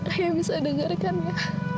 ayah bisa dengarkan ya